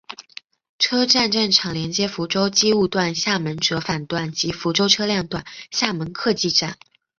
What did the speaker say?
车站站场连接福州机务段厦门折返段及福州车辆段厦门客技站。